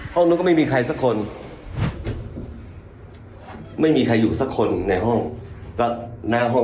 ห้องนู้นก็ไม่มีใครสักคนแต่ออกปรุงแรกเราตัวเนี้ย